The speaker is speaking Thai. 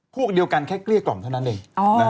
พวกเดียวกันแค่เกลี้ยกล่อมเท่านั้นเอง